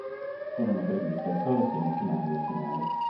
Furono previste solo semifinali e finali.